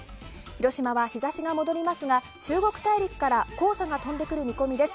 広島は日差しが戻りますが中国大陸から黄砂が飛んでくる見込みです。